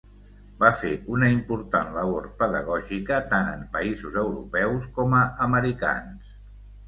Va fer una important labor pedagògica tant en països europeus com a americans.